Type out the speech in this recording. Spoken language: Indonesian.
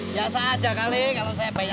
biasa aja kali kalau saya banyak